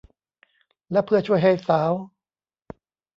และเพื่อช่วยให้สาว